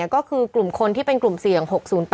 ก็คือกลุ่มคนที่เป็นกลุ่มเสี่ยง๖๐๘